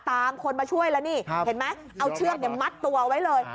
ตามคนมาช่วยแล้วนี่เห็นไหมเอาเชือกมัดตัวไว้เลย